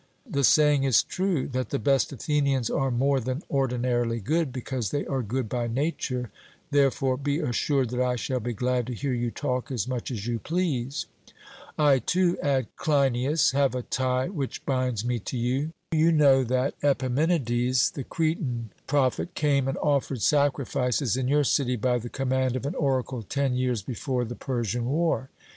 The saying is true, that the best Athenians are more than ordinarily good, because they are good by nature; therefore, be assured that I shall be glad to hear you talk as much as you please.' 'I, too,' adds Cleinias, 'have a tie which binds me to you. You know that Epimenides, the Cretan prophet, came and offered sacrifices in your city by the command of an oracle ten years before the Persian war.